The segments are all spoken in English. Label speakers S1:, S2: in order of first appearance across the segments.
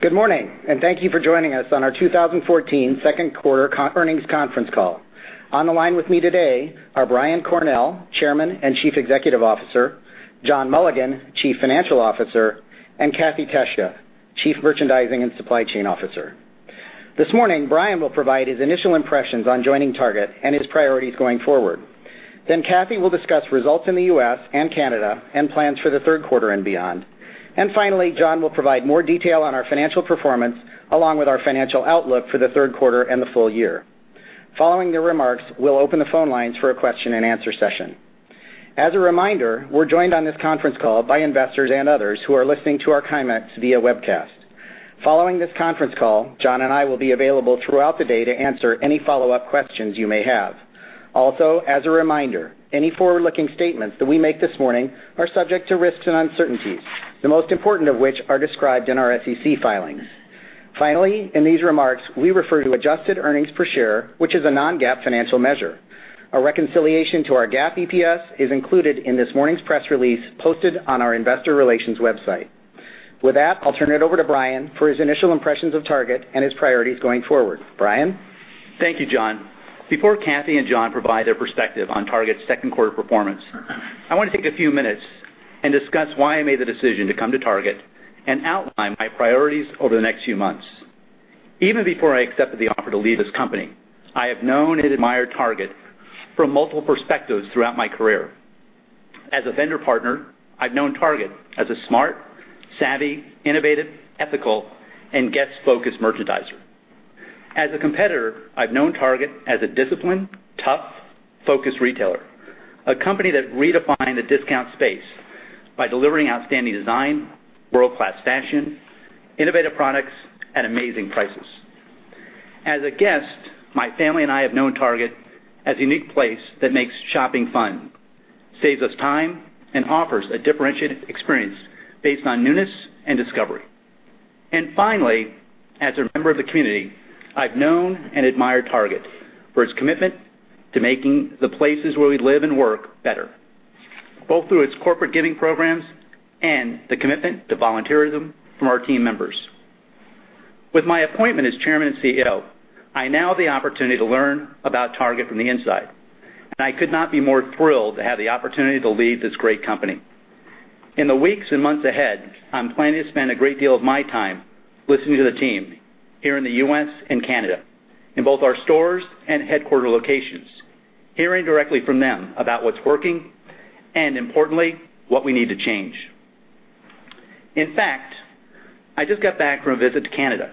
S1: Good morning, thank you for joining us on our 2014 second-quarter earnings conference call. On the line with me today are Brian Cornell, Chairman and Chief Executive Officer, John Mulligan, Chief Financial Officer, and Cathy Tesija, Chief Merchandising and Supply Chain Officer. This morning, Brian will provide his initial impressions on joining Target and his priorities going forward. Cathy will discuss results in the U.S. and Canada and plans for the third quarter and beyond. Finally, John will provide more detail on our financial performance, along with our financial outlook for the third quarter and the full year. Following their remarks, we'll open the phone lines for a question and answer session. As a reminder, we're joined on this conference call by investors and others who are listening to our comments via webcast. Following this conference call, John and I will be available throughout the day to answer any follow-up questions you may have. As a reminder, any forward-looking statements that we make this morning are subject to risks and uncertainties, the most important of which are described in our SEC filings. Finally, in these remarks, we refer to adjusted earnings per share, which is a non-GAAP financial measure. A reconciliation to our GAAP EPS is included in this morning's press release posted on our investor relations website. With that, I'll turn it over to Brian for his initial impressions of Target and his priorities going forward. Brian?
S2: Thank you, John. Before Cathy and John provide their perspective on Target's second-quarter performance, I want to take a few minutes and discuss why I made the decision to come to Target and outline my priorities over the next few months. Even before I accepted the offer to lead this company, I have known and admired Target from multiple perspectives throughout my career. As a vendor partner, I've known Target as a smart, savvy, innovative, ethical, and guest-focused merchandiser. As a competitor, I've known Target as a disciplined, tough, focused retailer. A company that redefined the discount space by delivering outstanding design, world-class fashion, innovative products, at amazing prices. As a guest, my family and I have known Target as a unique place that makes shopping fun, saves us time, and offers a differentiated experience based on newness and discovery. Finally, as a member of the community, I've known and admired Target for its commitment to making the places where we live and work better, both through its corporate giving programs and the commitment to volunteerism from our team members. With my appointment as Chairman and CEO, I now have the opportunity to learn about Target from the inside, and I could not be more thrilled to have the opportunity to lead this great company. In the weeks and months ahead, I'm planning to spend a great deal of my time listening to the team here in the U.S. and Canada in both our stores and headquarter locations, hearing directly from them about what's working and importantly, what we need to change. In fact, I just got back from a visit to Canada,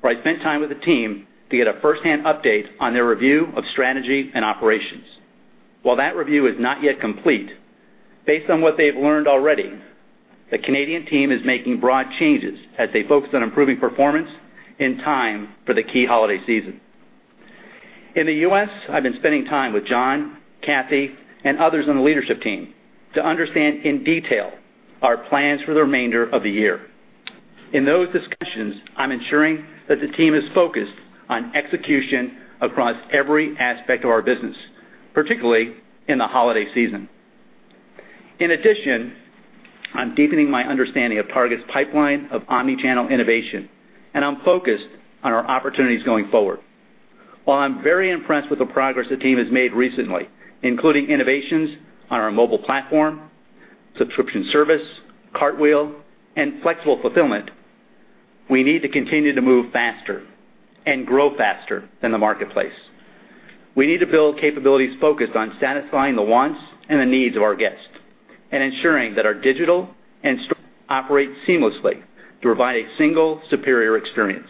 S2: where I spent time with the team to get a first-hand update on their review of strategy and operations. While that review is not yet complete, based on what they've learned already, the Canadian team is making broad changes as they focus on improving performance in time for the key holiday season. In the U.S., I've been spending time with John, Cathy, and others on the leadership team to understand in detail our plans for the remainder of the year. In those discussions, I'm ensuring that the team is focused on execution across every aspect of our business, particularly in the holiday season. In addition, I'm deepening my understanding of Target's pipeline of omnichannel innovation, and I'm focused on our opportunities going forward. While I'm very impressed with the progress the team has made recently, including innovations on our mobile platform, subscription service, Cartwheel, and flexible fulfillment, we need to continue to move faster and grow faster than the marketplace. We need to build capabilities focused on satisfying the wants and the needs of our guests and ensuring that our digital and store operate seamlessly to provide a single superior experience.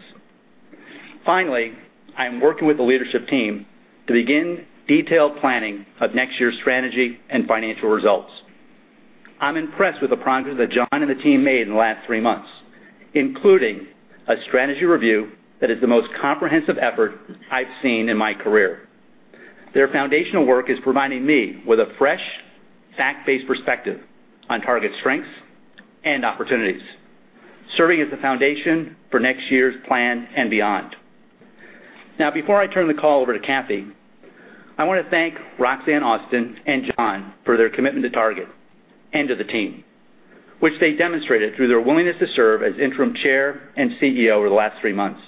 S2: Finally, I am working with the leadership team to begin detailed planning of next year's strategy and financial results. I'm impressed with the progress that John and the team made in the last three months, including a strategy review that is the most comprehensive effort I've seen in my career. Their foundational work is providing me with a fresh, fact-based perspective on Target's strengths and opportunities, serving as the foundation for next year's plan and beyond. Before I turn the call over to Cathy, I want to thank Roxanne Austin and John for their commitment to Target and to the team, which they demonstrated through their willingness to serve as interim chair and CEO over the last three months.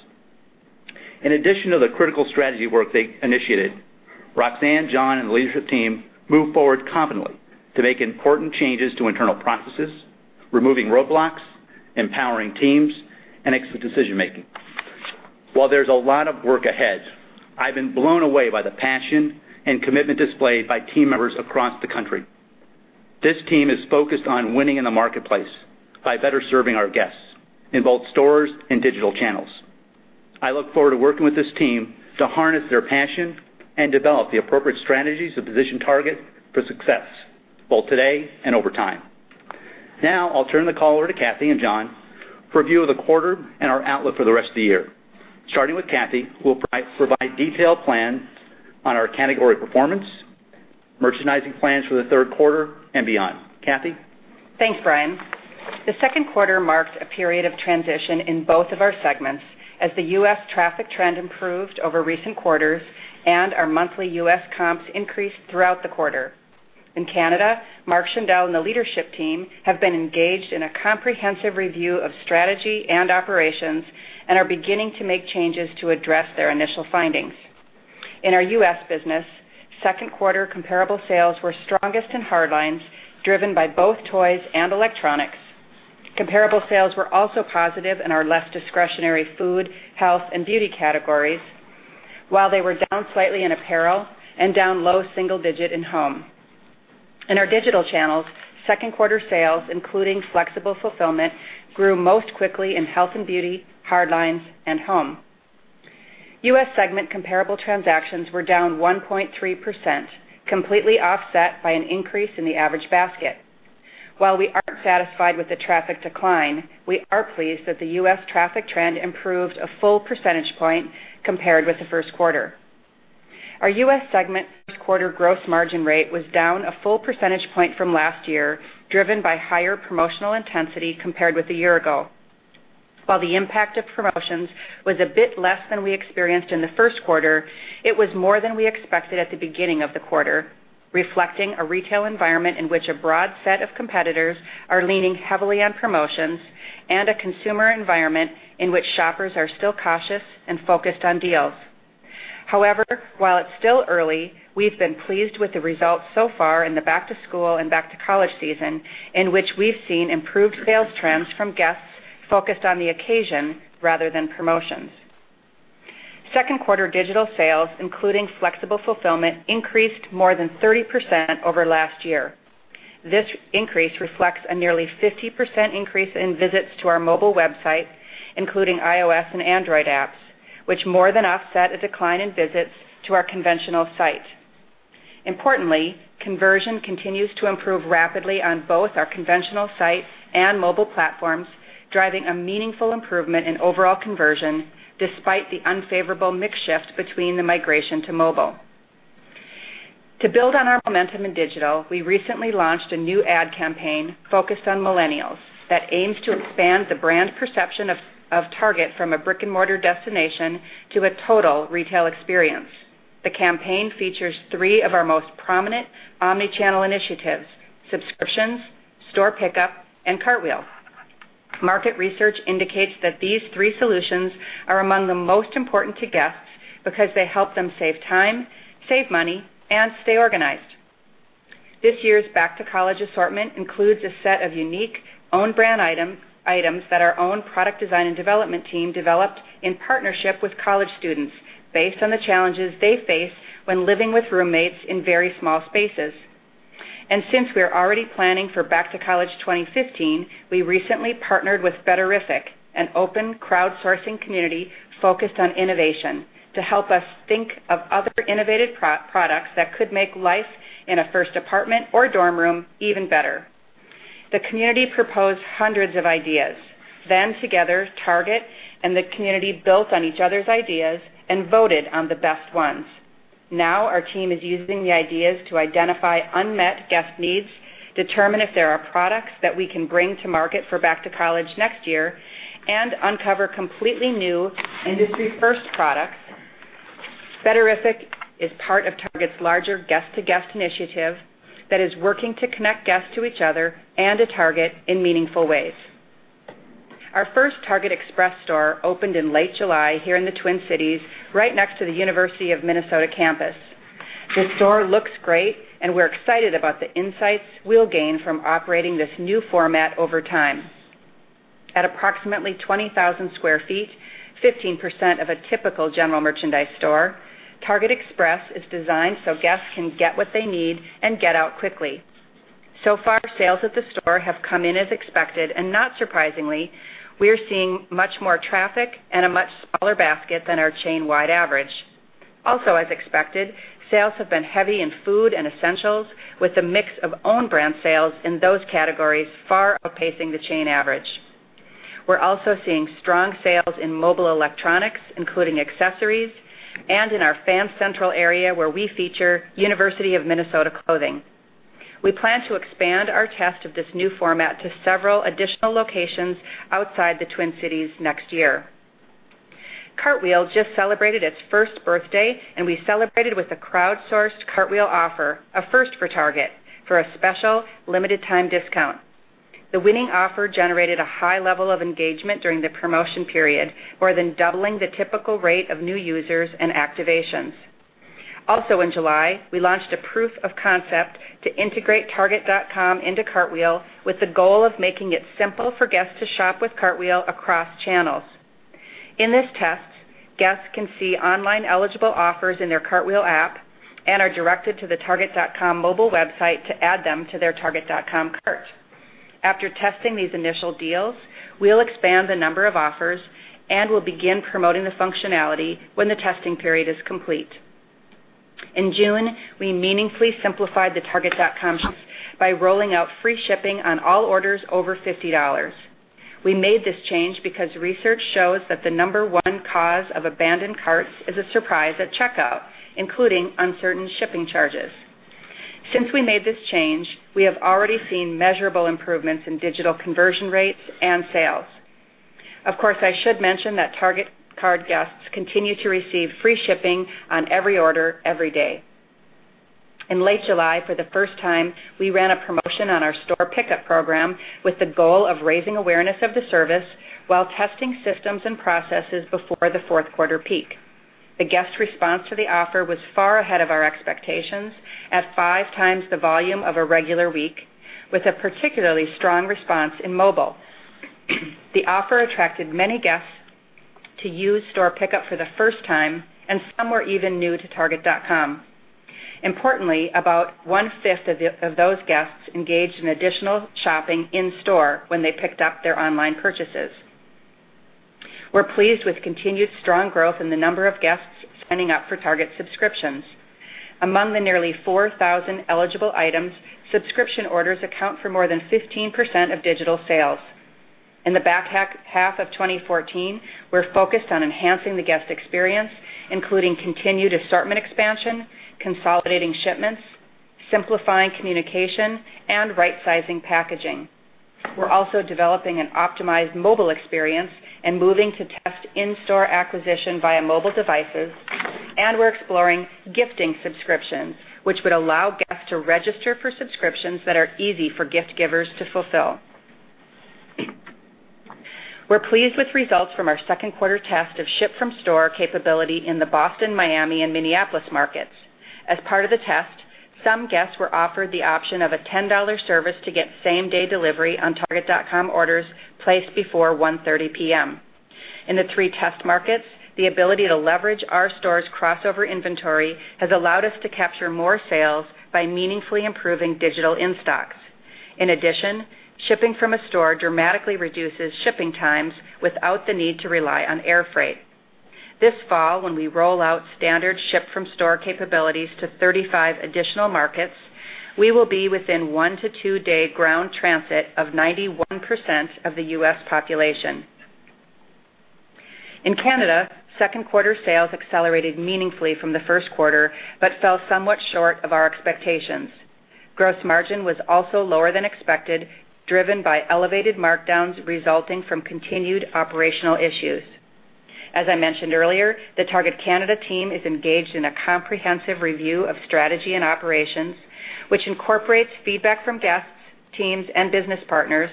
S2: In addition to the critical strategy work they initiated, Roxanne, John, and the leadership team moved forward confidently to make important changes to internal processes, removing roadblocks, empowering teams, and exit decision-making. While there's a lot of work ahead, I've been blown away by the passion and commitment displayed by team members across the country. This team is focused on winning in the marketplace by better serving our guests in both stores and digital channels. I look forward to working with this team to harness their passion and develop the appropriate strategies to position Target for success, both today and over time. I'll turn the call over to Cathy and John for a view of the quarter and our outlook for the rest of the year. Starting with Cathy, who will provide detailed plans on our category performance, merchandising plans for the third quarter and beyond. Cathy?
S3: Thanks, Brian. The second quarter marked a period of transition in both of our segments as the U.S. traffic trend improved over recent quarters and our monthly U.S. comps increased throughout the quarter. In Canada, Mark Schindele and the leadership team have been engaged in a comprehensive review of strategy and operations and are beginning to make changes to address their initial findings. In our U.S. business, second quarter comparable sales were strongest in hardlines, driven by both toys and electronics. Comparable sales were also positive in our less discretionary food, health, and beauty categories, while they were down slightly in apparel and down low single digit in home. In our digital channels, second quarter sales, including flexible fulfillment, grew most quickly in health and beauty, hardlines, and home. U.S. segment comparable transactions were down 1.3%, completely offset by an increase in the average basket. While we aren't satisfied with the traffic decline, we are pleased that the U.S. traffic trend improved a full percentage point compared with the first quarter. Our U.S. segment first quarter gross margin rate was down a full percentage point from last year, driven by higher promotional intensity compared with a year ago. The impact of promotions was a bit less than we experienced in the first quarter, it was more than we expected at the beginning of the quarter, reflecting a retail environment in which a broad set of competitors are leaning heavily on promotions and a consumer environment in which shoppers are still cautious and focused on deals. While it's still early, we've been pleased with the results so far in the back to school and back to college season, in which we've seen improved sales trends from guests focused on the occasion rather than promotions. Second quarter digital sales, including flexible fulfillment, increased more than 30% over last year. This increase reflects a nearly 50% increase in visits to our mobile website, including iOS and Android apps, which more than offset a decline in visits to our conventional site. Conversion continues to improve rapidly on both our conventional site and mobile platforms, driving a meaningful improvement in overall conversion despite the unfavorable mix shift between the migration to mobile. To build on our momentum in digital, we recently launched a new ad campaign focused on millennials that aims to expand the brand perception of Target from a brick-and-mortar destination to a total retail experience. The campaign features three of our most prominent omnichannel initiatives, subscriptions, store pickup, and Cartwheel. Market research indicates that these three solutions are among the most important to guests because they help them save time, save money, and stay organized. This year's back to college assortment includes a set of unique own brand items that our own product design and development team developed in partnership with college students based on the challenges they face when living with roommates in very small spaces. Since we are already planning for back to college 2015, we recently partnered with Betterific, an open crowdsourcing community focused on innovation, to help us think of other innovative products that could make life in a first apartment or dorm room even better. The community proposed hundreds of ideas. Together, Target and the community built on each other's ideas and voted on the best ones. Our team is using the ideas to identify unmet guest needs, determine if there are products that we can bring to market for back to college next year, and uncover completely new industry first products. Betterific is part of Target's larger Guest to Guest initiative that is working to connect guests to each other and to Target in meaningful ways. Our first Target Express store opened in late July here in the Twin Cities, right next to the University of Minnesota campus. This store looks great, and we're excited about the insights we'll gain from operating this new format over time. At approximately 20,000 square feet, 15% of a typical general merchandise store, Target Express is designed so guests can get what they need and get out quickly. So far, sales at the store have come in as expected, and not surprisingly, we are seeing much more traffic and a much smaller basket than our chain-wide average. As expected, sales have been heavy in food and essentials, with a mix of own brand sales in those categories far outpacing the chain average. We're also seeing strong sales in mobile electronics, including accessories, and in our Fan Central area, where we feature University of Minnesota clothing. We plan to expand our test of this new format to several additional locations outside the Twin Cities next year. Cartwheel just celebrated its first birthday, and we celebrated with a crowdsourced Cartwheel offer, a first for Target, for a special limited time discount. The winning offer generated a high level of engagement during the promotion period, more than doubling the typical rate of new users and activations. In July, we launched a proof of concept to integrate target.com into Cartwheel with the goal of making it simple for guests to shop with Cartwheel across channels. In this test, guests can see online eligible offers in their Cartwheel app and are directed to the target.com mobile website to add them to their target.com cart. After testing these initial deals, we'll expand the number of offers and will begin promoting the functionality when the testing period is complete. In June, we meaningfully simplified the target.com site by rolling out free shipping on all orders over $50. We made this change because research shows that the number one cause of abandoned carts is a surprise at checkout, including uncertain shipping charges. We made this change, we have already seen measurable improvements in digital conversion rates and sales. I should mention that Target card guests continue to receive free shipping on every order, every day. In late July, for the first time, we ran a promotion on our store pickup program with the goal of raising awareness of the service while testing systems and processes before the fourth quarter peak. The guest response to the offer was far ahead of our expectations at five times the volume of a regular week, with a particularly strong response in mobile. The offer attracted many guests to use store pickup for the first time, and some were even new to target.com. Importantly, about one-fifth of those guests engaged in additional shopping in-store when they picked up their online purchases. We're pleased with continued strong growth in the number of guests signing up for Target subscriptions. Among the nearly 4,000 eligible items, subscription orders account for more than 15% of digital sales. In the back half of 2014, we're focused on enhancing the guest experience, including continued assortment expansion, consolidating shipments, simplifying communication, and right-sizing packaging. We're also developing an optimized mobile experience and moving to test in-store acquisition via mobile devices. We're exploring gifting subscriptions, which would allow guests to register for subscriptions that are easy for gift-givers to fulfill. We're pleased with results from our second quarter test of ship-from-store capability in the Boston, Miami, and Minneapolis markets. As part of the test, some guests were offered the option of a $10 service to get same-day delivery on target.com orders placed before 1:30 P.M. In the three test markets, the ability to leverage our store's crossover inventory has allowed us to capture more sales by meaningfully improving digital in-stocks. In addition, shipping from a store dramatically reduces shipping times without the need to rely on air freight. This fall, when we roll out standard ship-from-store capabilities to 35 additional markets, we will be within one-to-two-day ground transit of 91% of the U.S. population. In Canada, second quarter sales accelerated meaningfully from the first quarter but fell somewhat short of our expectations. Gross margin was also lower than expected, driven by elevated markdowns resulting from continued operational issues. As I mentioned earlier, the Target Canada team is engaged in a comprehensive review of strategy and operations, which incorporates feedback from guests, teams, and business partners.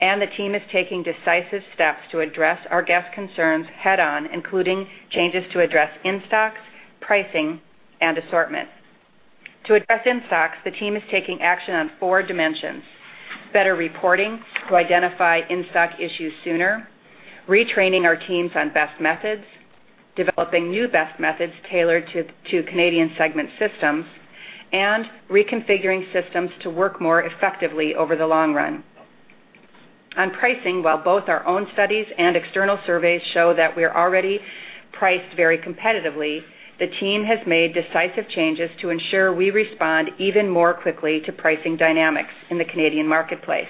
S3: The team is taking decisive steps to address our guest concerns head-on, including changes to address in-stocks, pricing, and assortment. To address in-stocks, the team is taking action on four dimensions: better reporting to identify in-stock issues sooner, retraining our teams on best methods, developing new best methods tailored to Canadian segment systems, and reconfiguring systems to work more effectively over the long run. On pricing, while both our own studies and external surveys show that we are already priced very competitively, the team has made decisive changes to ensure we respond even more quickly to pricing dynamics in the Canadian marketplace,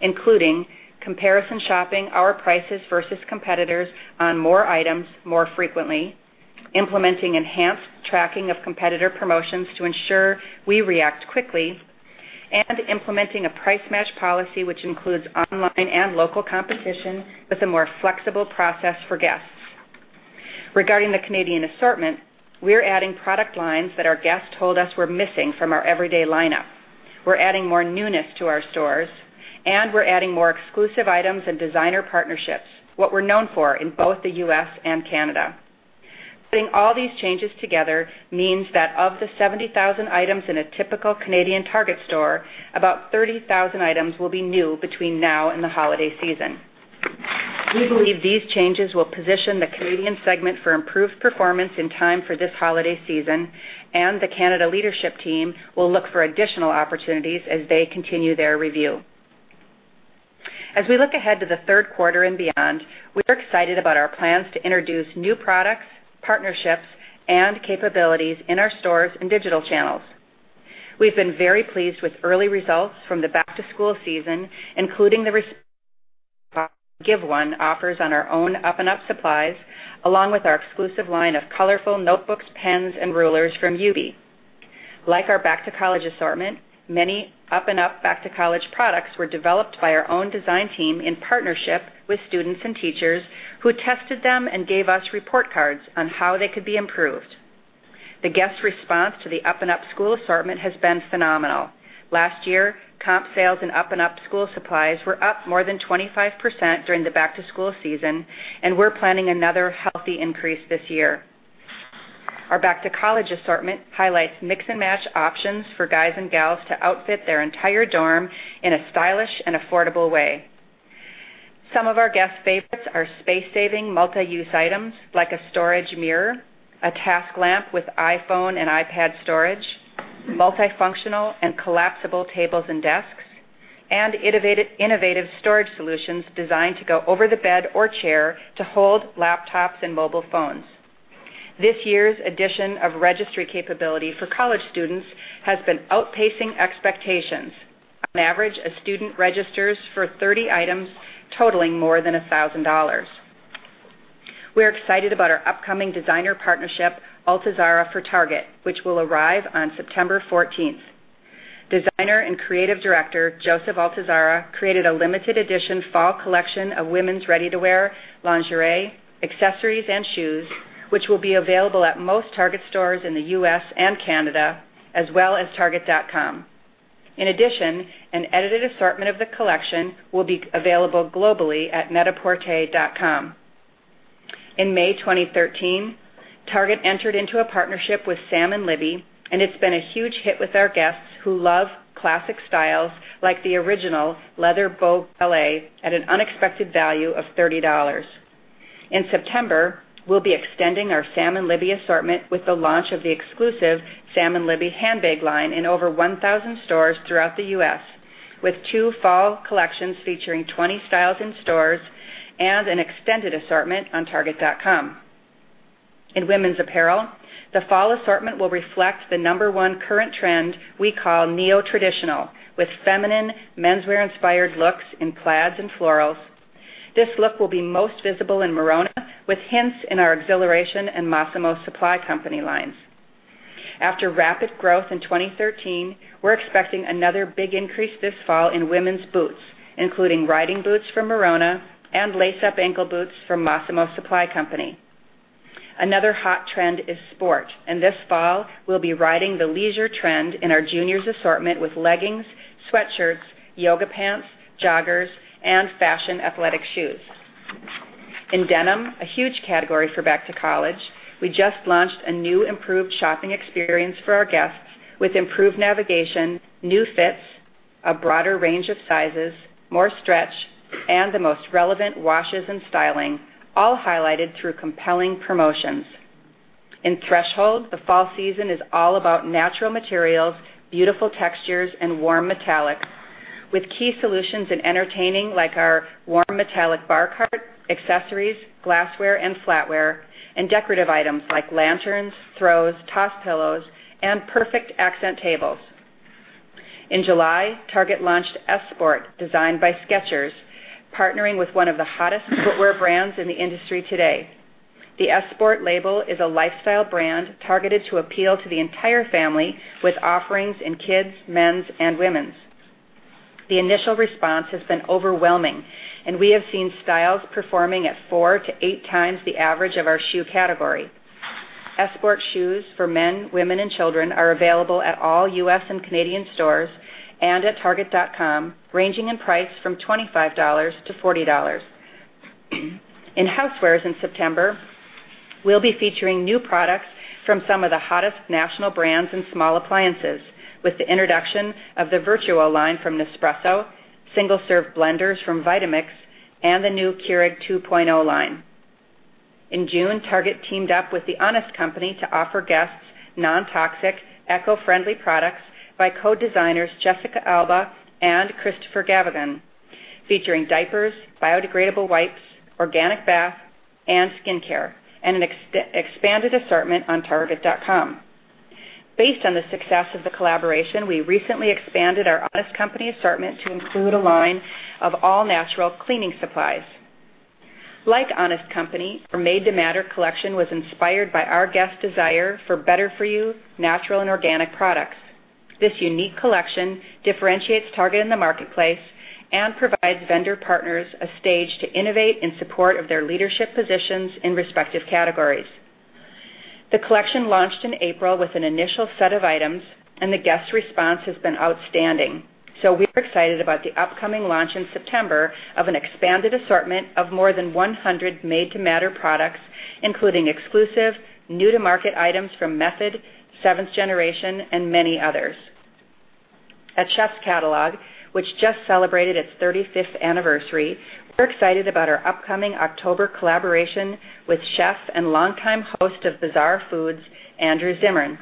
S3: including comparison shopping our prices versus competitors on more items more frequently, implementing enhanced tracking of competitor promotions to ensure we react quickly, and implementing a price match policy which includes online and local competition with a more flexible process for guests. Regarding the Canadian assortment, we are adding product lines that our guests told us were missing from our everyday lineup. We're adding more newness to our stores. We're adding more exclusive items and designer partnerships, what we're known for in both the U.S. and Canada. Putting all these changes together means that of the 70,000 items in a typical Canadian Target store, about 30,000 items will be new between now and the holiday season. We believe these changes will position the Canadian segment for improved performance in time for this holiday season, and the Canada leadership team will look for additional opportunities as they continue their review. As we look ahead to the third quarter and beyond, we are excited about our plans to introduce new products, partnerships, and capabilities in our stores and digital channels. We've been very pleased with early results from the back-to-school season, including the give one offers on our own Up & Up supplies, along with our exclusive line of colorful notebooks, pens, and rulers from Yoobi. Like our back-to-college assortment, many Up & Up back-to-college products were developed by our own design team in partnership with students and teachers who tested them and gave us report cards on how they could be improved. The guest response to the Up & Up school assortment has been phenomenal. Last year, comp sales in Up & Up school supplies were up more than 25% during the back-to-school season, and we're planning another healthy increase this year. Our back-to-college assortment highlights mix-and-match options for guys and gals to outfit their entire dorm in a stylish and affordable way. Some of our guest favorites are space-saving, multi-use items like a storage mirror, a task lamp with iPhone and iPad storage, multifunctional and collapsible tables and desks, and innovative storage solutions designed to go over the bed or chair to hold laptops and mobile phones. This year's addition of registry capability for college students has been outpacing expectations. On average, a student registers for 30 items totaling more than $1,000. We're excited about our upcoming designer partnership, Altuzarra for Target, which will arrive on September 14th. Designer and creative director, Joseph Altuzarra, created a limited edition fall collection of women's ready-to-wear lingerie, accessories, and shoes, which will be available at most Target stores in the U.S. and Canada, as well as target.com. In addition, an edited assortment of the collection will be available globally at net-a-porter.com. In May 2013, Target entered into a partnership with Sam & Libby, and it's been a huge hit with our guests who love classic styles, like the original leather bow ballet, at an unexpected value of $30. In September, we'll be extending our Sam & Libby assortment with the launch of the exclusive Sam & Libby handbag line in over 1,000 stores throughout the U.S., with two fall collections featuring 20 styles in stores and an extended assortment on target.com. In women's apparel, the fall assortment will reflect the number one current trend we call neo-traditional, with feminine, menswear-inspired looks in plaids and florals. This look will be most visible in Merona, with hints in our Xhilaration and Mossimo Supply Co. lines. After rapid growth in 2013, we're expecting another big increase this fall in women's boots, including riding boots from Merona and lace-up ankle boots from Mossimo Supply Co. Another hot trend is sport, and this fall, we'll be riding the leisure trend in our juniors assortment with leggings, sweatshirts, yoga pants, joggers, and fashion athletic shoes. In denim, a huge category for back to college, we just launched a new improved shopping experience for our guests with improved navigation, new fits, a broader range of sizes, more stretch, and the most relevant washes and styling, all highlighted through compelling promotions. In Threshold, the fall season is all about natural materials, beautiful textures, and warm metallics with key solutions in entertaining, like our warm metallic bar cart, accessories, glassware and flatware, and decorative items like lanterns, throws, toss pillows, and perfect accent tables. In July, Target launched S Sport, designed by Skechers, partnering with one of the hottest footwear brands in the industry today. The S Sport label is a lifestyle brand targeted to appeal to the entire family with offerings in kids, men's, and women's. The initial response has been overwhelming. We have seen styles performing at 4 to 8 times the average of our shoe category. S Sport shoes for men, women, and children are available at all U.S. and Canadian stores and at target.com, ranging in price from $25 to $40. In housewares in September, we'll be featuring new products from some of the hottest national brands in small appliances with the introduction of the VertuoLine from Nespresso, single-serve blenders from Vitamix, and the new Keurig 2.0 line. In June, Target teamed up with The Honest Company to offer guests non-toxic, eco-friendly products by co-designers Jessica Alba and Christopher Gavigan, featuring diapers, biodegradable wipes, organic bath, and skincare, and an expanded assortment on target.com. Based on the success of the collaboration, we recently expanded our Honest Company assortment to include a line of all-natural cleaning supplies. Like Honest Company, our Made to Matter collection was inspired by our guests' desire for better-for-you natural and organic products. This unique collection differentiates Target in the marketplace and provides vendor partners a stage to innovate in support of their leadership positions in respective categories. The collection launched in April with an initial set of items. The guests' response has been outstanding. We're excited about the upcoming launch in September of an expanded assortment of more than 100 Made to Matter products, including exclusive new-to-market items from Method, Seventh Generation, and many others. At Chef's Catalog, which just celebrated its 35th anniversary, we're excited about our upcoming October collaboration with chef and longtime host of "Bizarre Foods," Andrew Zimmern.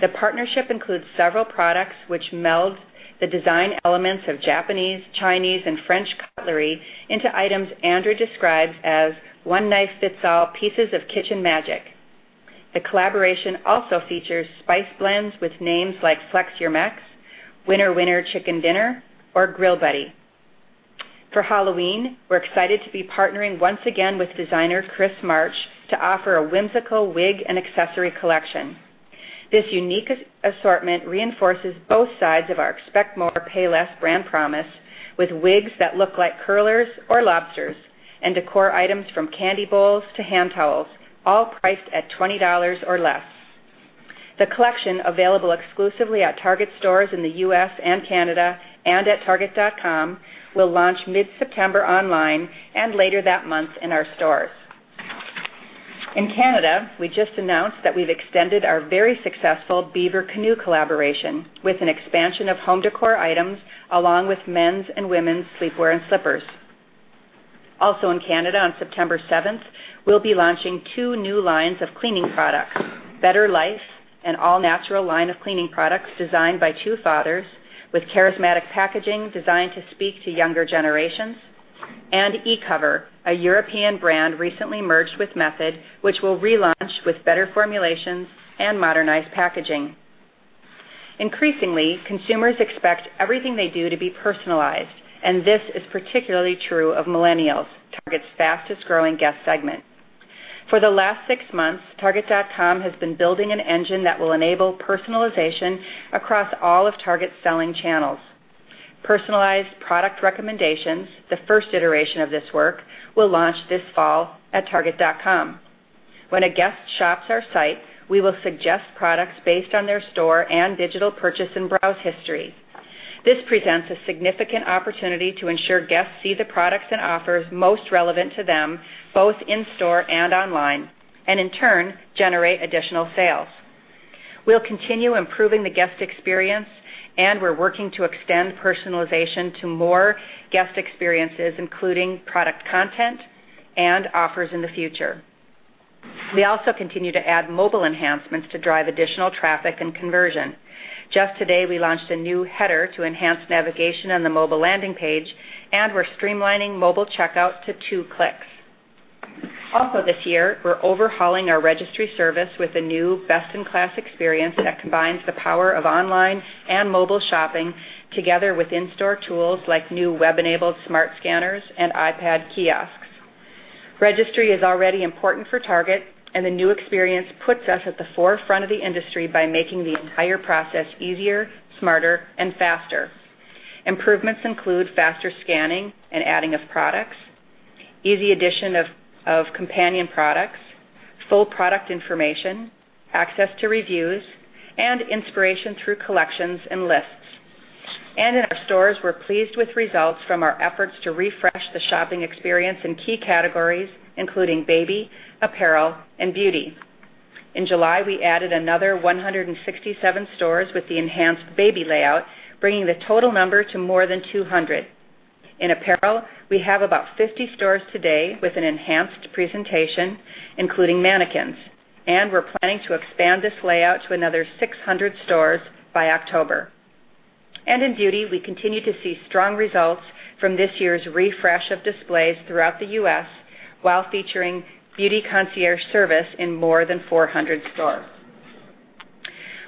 S3: The partnership includes several products which meld the design elements of Japanese, Chinese, and French cutlery into items Andrew describes as one-knife-fits-all pieces of kitchen magic. The collaboration also features spice blends with names like Flex Your Mex, Winner Winner Chicken Dinner, or Grill Buddy. For Halloween, we're excited to be partnering once again with designer Chris March to offer a whimsical wig and accessory collection. This unique assortment reinforces both sides of our Expect More. Pay Less. brand promise with wigs that look like curlers or lobsters and decor items from candy bowls to hand towels, all priced at $20 or less. The collection, available exclusively at Target stores in the U.S. and Canada and at target.com, will launch mid-September online and later that month in our stores. In Canada, we just announced that we've extended our very successful Beaver Canoe collaboration with an expansion of home decor items, along with men's and women's sleepwear and slippers. Also in Canada on September 7th, we'll be launching two new lines of cleaning products, Better Life, an all-natural line of cleaning products designed by two fathers with charismatic packaging designed to speak to younger generations, Ecover, a European brand recently merged with Method, which we'll relaunch with better formulations and modernized packaging. Increasingly, consumers expect everything they do to be personalized, this is particularly true of millennials, Target's fastest-growing guest segment. For the last six months, target.com has been building an engine that will enable personalization across all of Target's selling channels. Personalized product recommendations, the first iteration of this work, will launch this fall at target.com. When a guest shops our site, we will suggest products based on their store and digital purchase and browse history. This presents a significant opportunity to ensure guests see the products and offers most relevant to them, both in-store and online, in turn, generate additional sales. We'll continue improving the guest experience, we're working to extend personalization to more guest experiences, including product content and offers in the future. We also continue to add mobile enhancements to drive additional traffic and conversion. Just today, we launched a new header to enhance navigation on the mobile landing page, we're streamlining mobile checkout to two clicks. Also this year, we're overhauling our registry service with a new best-in-class experience that combines the power of online and mobile shopping together with in-store tools like new web-enabled smart scanners and iPad kiosks. Registry is already important for Target, the new experience puts us at the forefront of the industry by making the entire process easier, smarter, and faster. Improvements include faster scanning and adding of products, easy addition of companion products, full product information, access to reviews, and inspiration through collections and lists. In our stores, we're pleased with results from our efforts to refresh the shopping experience in key categories, including baby, apparel, and beauty. In July, we added another 167 stores with the enhanced baby layout, bringing the total number to more than 200. In apparel, we have about 50 stores today with an enhanced presentation, including mannequins, we're planning to expand this layout to another 600 stores by October. In beauty, we continue to see strong results from this year's refresh of displays throughout the U.S., while featuring beauty concierge service in more than 400 stores.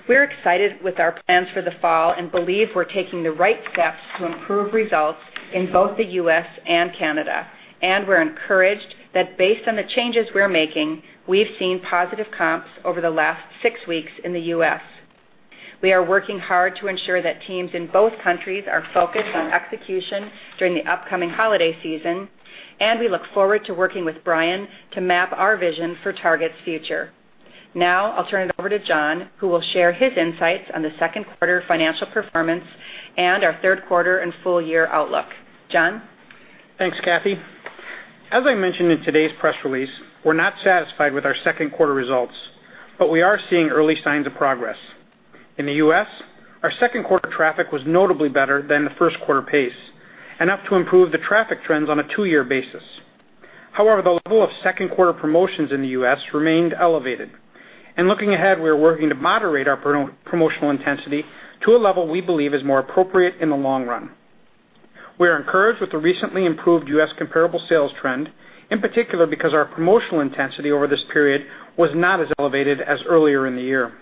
S3: We're excited with our plans for the fall and believe we're taking the right steps to improve results in both the U.S. and Canada. We're encouraged that based on the changes we're making, we've seen positive comps over the last six weeks in the U.S. We are working hard to ensure that teams in both countries are focused on execution during the upcoming holiday season, we look forward to working with Brian to map our vision for Target's future. Now, I'll turn it over to John, who will share his insights on the second quarter financial performance and our third quarter and full-year outlook. John?
S1: Thanks, Cathy. As I mentioned in today's press release, we're not satisfied with our second quarter results, but we are seeing early signs of progress. In the U.S., our second quarter traffic was notably better than the first quarter pace, enough to improve the traffic trends on a two-year basis. However, the level of second quarter promotions in the U.S. remained elevated. Looking ahead, we are working to moderate our promotional intensity to a level we believe is more appropriate in the long run. We are encouraged with the recently improved U.S. comparable sales trend, in particular because our promotional intensity over this period was not as elevated as earlier in the year.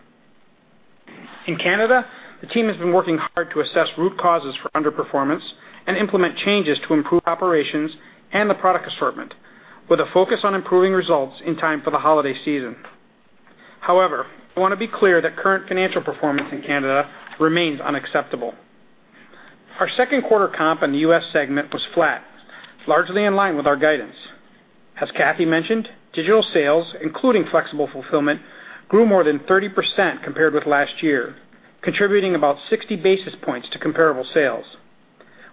S1: In Canada, the team has been working hard to assess root causes for underperformance and implement changes to improve operations and the product assortment, with a focus on improving results in time for the holiday season. However, I want to be clear that current financial performance in Canada remains unacceptable. Our second quarter comp in the U.S. segment was flat, largely in line with our guidance. As Cathy mentioned, digital sales, including flexible fulfillment, grew more than 30% compared with last year, contributing about 60 basis points to comparable sales.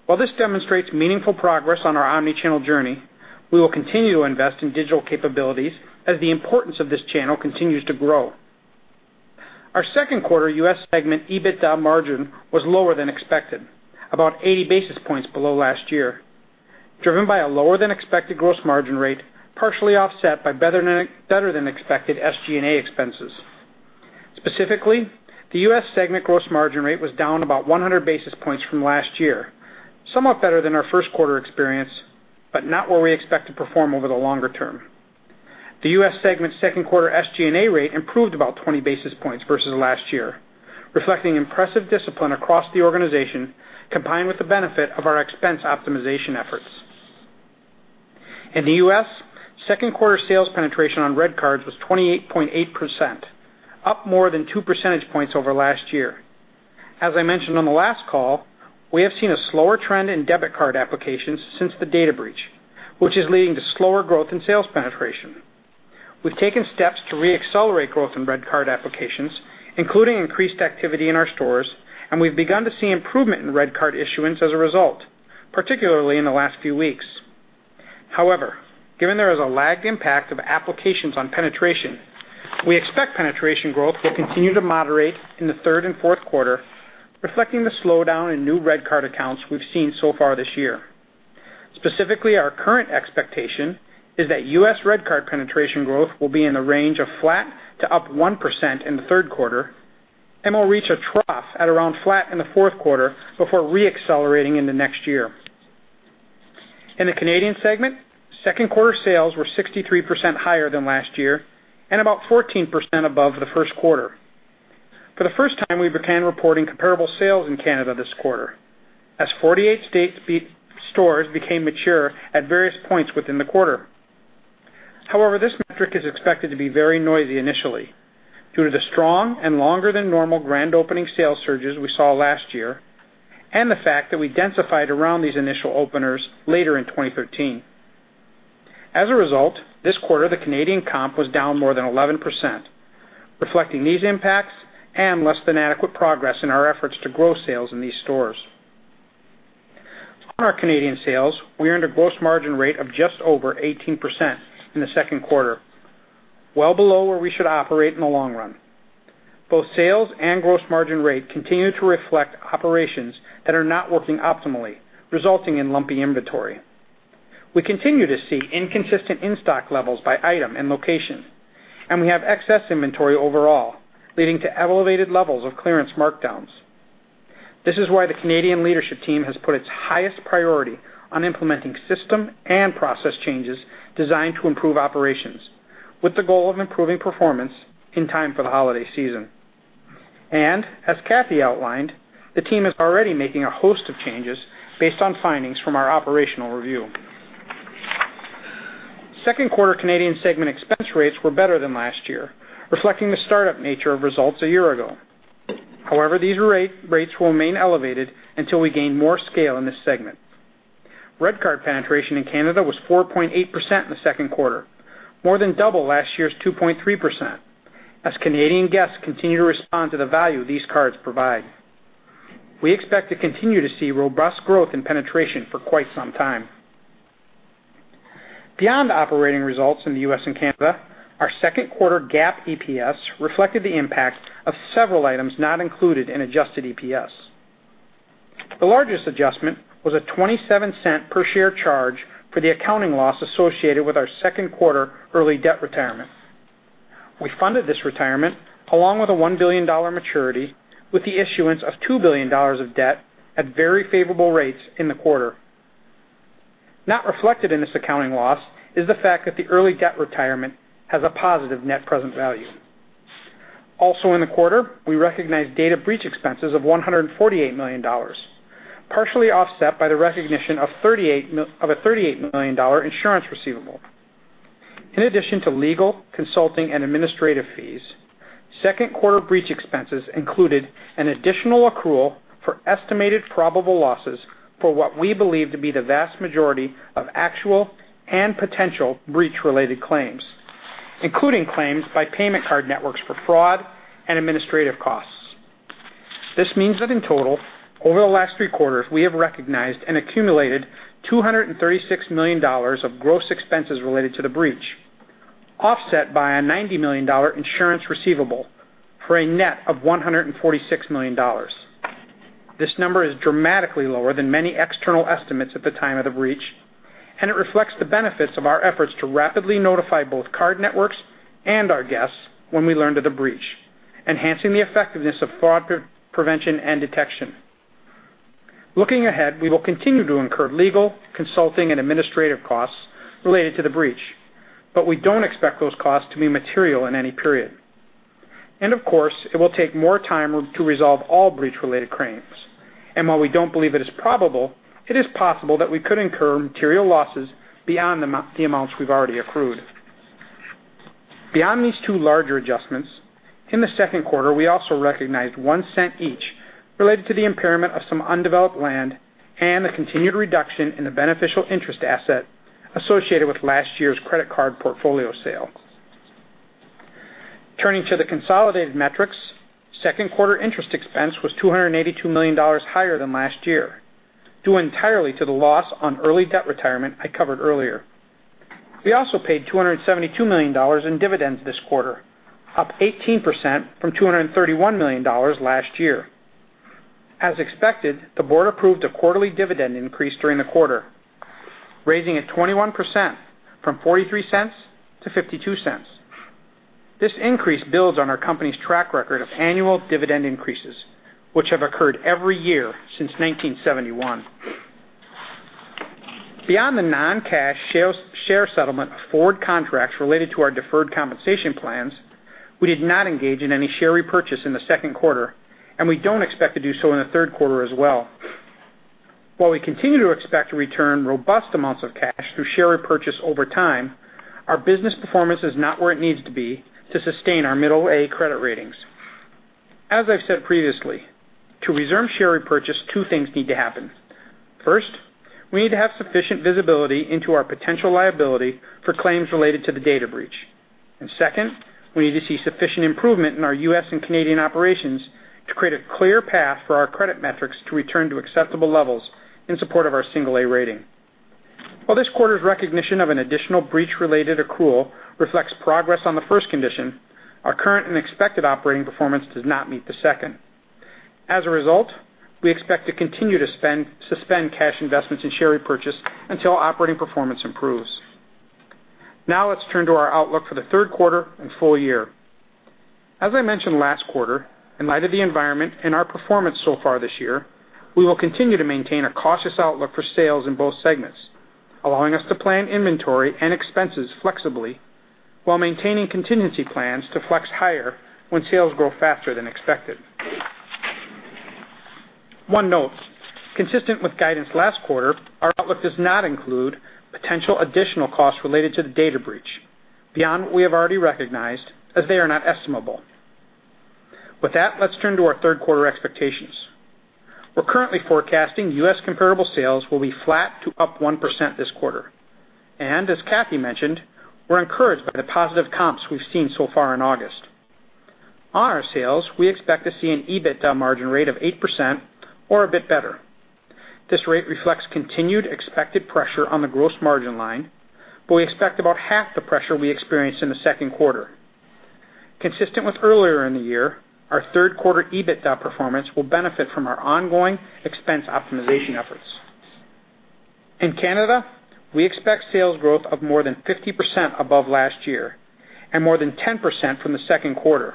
S1: While this demonstrates meaningful progress on our omnichannel journey, we will continue to invest in digital capabilities as the importance of this channel continues to grow. Our second quarter U.S. segment EBITDA margin was lower than expected, about 80 basis points below last year, driven by a lower-than-expected gross margin rate, partially offset by better-than-expected SG&A expenses. Specifically, the U.S. segment gross margin rate was down about 100 basis points from last year, somewhat better than our first quarter experience, but not where we expect to perform over the longer term. The U.S. segment second quarter SG&A rate improved about 20 basis points versus last year, reflecting impressive discipline across the organization, combined with the benefit of our expense optimization efforts. In the U.S., second quarter sales penetration on RedCards was 28.8%, up more than 2 percentage points over last year. As I mentioned on the last call, we have seen a slower trend in debit card applications since the data breach, which is leading to slower growth in sales penetration. We've taken steps to re-accelerate growth in RedCard applications, including increased activity in our stores, and we've begun to see improvement in RedCard issuance as a result, particularly in the last few weeks. However, given there is a lagged impact of applications on penetration, we expect penetration growth will continue to moderate in the third and fourth quarter, reflecting the slowdown in new RedCard accounts we've seen so far this year. Specifically, our current expectation is that U.S. RedCard penetration growth will be in the range of flat to up 1% in the third quarter and will reach a trough at around flat in the fourth quarter before re-accelerating into next year. In the Canadian segment, second quarter sales were 63% higher than last year and about 14% above the first quarter. For the first time, we began reporting comparable sales in Canada this quarter, as 48 stores became mature at various points within the quarter. This metric is expected to be very noisy initially due to the strong and longer than normal grand opening sales surges we saw last year, and the fact that we densified around these initial openers later in 2013. As a result, this quarter, the Canadian comp was down more than 11%, reflecting these impacts and less than adequate progress in our efforts to grow sales in these stores. On our Canadian sales, we earned a gross margin rate of just over 18% in the second quarter, well below where we should operate in the long run. Both sales and gross margin rate continue to reflect operations that are not working optimally, resulting in lumpy inventory. We continue to see inconsistent in-stock levels by item and location, and we have excess inventory overall, leading to elevated levels of clearance markdowns. This is why the Canadian leadership team has put its highest priority on implementing system and process changes designed to improve operations, with the goal of improving performance in time for the holiday season. As Cathy outlined, the team is already making a host of changes based on findings from our operational review. Second quarter Canadian segment expense rates were better than last year, reflecting the startup nature of results a year ago. These rates will remain elevated until we gain more scale in this segment. RedCard penetration in Canada was 4.8% in the second quarter, more than double last year's 2.3%, as Canadian guests continue to respond to the value these cards provide. We expect to continue to see robust growth in penetration for quite some time. Beyond operating results in the U.S. and Canada, our second quarter GAAP EPS reflected the impact of several items not included in adjusted EPS. The largest adjustment was a $0.27 per share charge for the accounting loss associated with our second quarter early debt retirement. We funded this retirement along with a $1 billion maturity, with the issuance of $2 billion of debt at very favorable rates in the quarter. Not reflected in this accounting loss is the fact that the early debt retirement has a positive net present value. Also in the quarter, we recognized data breach expenses of $148 million, partially offset by the recognition of a $38 million insurance receivable. In addition to legal, consulting, and administrative fees, second quarter breach expenses included an additional accrual for estimated probable losses for what we believe to be the vast majority of actual and potential breach-related claims, including claims by payment card networks for fraud and administrative costs. This means that in total, over the last three quarters, we have recognized and accumulated $236 million of gross expenses related to the breach, offset by a $90 million insurance receivable for a net of $146 million. This number is dramatically lower than many external estimates at the time of the breach. It reflects the benefits of our efforts to rapidly notify both card networks and our guests when we learned of the breach, enhancing the effectiveness of fraud prevention and detection. Looking ahead, we will continue to incur legal, consulting, and administrative costs related to the breach, we don't expect those costs to be material in any period. Of course, it will take more time to resolve all breach-related claims. While we don't believe it is probable, it is possible that we could incur material losses beyond the amounts we've already accrued. Beyond these two larger adjustments, in the second quarter, we also recognized $0.01 each related to the impairment of some undeveloped land and the continued reduction in the beneficial interest asset associated with last year's credit card portfolio sale. Turning to the consolidated metrics, second quarter interest expense was $282 million higher than last year, due entirely to the loss on early debt retirement I covered earlier. We also paid $272 million in dividends this quarter, up 18% from $231 million last year. As expected, the board approved a quarterly dividend increase during the quarter, raising it 21%, from $0.43 to $0.52. This increase builds on our company's track record of annual dividend increases, which have occurred every year since 1971. Beyond the non-cash share settlement of forward contracts related to our deferred compensation plans, we did not engage in any share repurchase in the second quarter, and we don't expect to do so in the third quarter as well. While we continue to expect to return robust amounts of cash through share repurchase over time, our business performance is not where it needs to be to sustain our middle A credit ratings. As I've said previously, to resume share repurchase, two things need to happen. First, we need to have sufficient visibility into our potential liability for claims related to the data breach. Second, we need to see sufficient improvement in our U.S. and Canadian operations to create a clear path for our credit metrics to return to acceptable levels in support of our single A rating. While this quarter's recognition of an additional breach-related accrual reflects progress on the first condition, our current and expected operating performance does not meet the second. As a result, we expect to continue to suspend cash investments in share repurchase until operating performance improves. Now let's turn to our outlook for the third quarter and full year. As I mentioned last quarter, in light of the environment and our performance so far this year, we will continue to maintain a cautious outlook for sales in both segments, allowing us to plan inventory and expenses flexibly while maintaining contingency plans to flex higher when sales grow faster than expected. One note, consistent with guidance last quarter, our outlook does not include potential additional costs related to the data breach beyond what we have already recognized, as they are not estimable. With that, let's turn to our third quarter expectations. We're currently forecasting U.S. comparable sales will be flat to up 1% this quarter. As Cathy mentioned, we're encouraged by the positive comps we've seen so far in August. On our sales, we expect to see an EBITDA margin rate of 8% or a bit better. This rate reflects continued expected pressure on the gross margin line, we expect about half the pressure we experienced in the second quarter. Consistent with earlier in the year, our third quarter EBITDA performance will benefit from our ongoing expense optimization efforts. In Canada, we expect sales growth of more than 50% above last year and more than 10% from the second quarter.